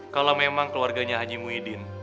kalau memang keluarganya haji muhyiddin